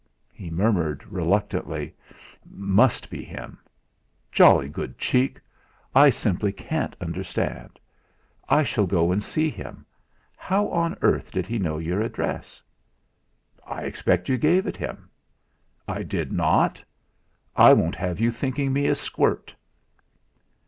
He murmured reluctantly: "It must be him. Jolly good cheek; I simply can't understand. I shall go and see him. How on earth did he know your address?" "I expect you gave it him." "I did not. I won't have you thinking me a squirt."